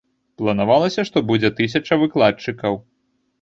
Планавалася, што будзе тысяча выкладчыкаў.